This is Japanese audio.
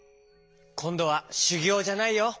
こんどはしゅぎょうじゃないよ。